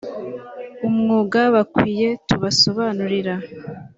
umwuga bakwiye tubasobanurira